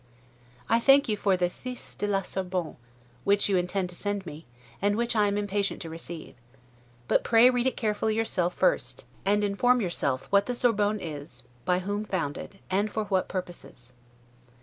I thank you for the 'These de la Sorbonne', which you intend to send me, and which I am impatient to receive. But pray read it carefully yourself first; and inform yourself what the Sorbonne is by whom founded, and for what puraoses.